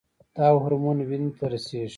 دا هورمون وینې ته رسیږي.